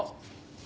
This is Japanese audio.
何？